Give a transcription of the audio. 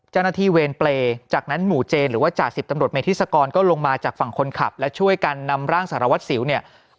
เจ้าหน้าที่เวรเปรย์จากนั้นหมู่เจนหรือว่าจ่าสิบตำรวจเมธิศกรก็ลงมาจากฝั่งคนขับและช่วยกันนำร่างสารวัตรสิวเนี่ย